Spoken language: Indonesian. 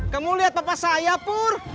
kamu lihat bapak saya pun